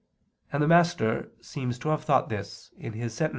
And the Master seems to have thought this (Sent.